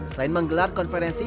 selain menggelar konferensi